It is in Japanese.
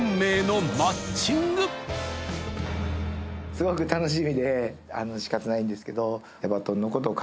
すごく楽しみで仕方ないんですけど。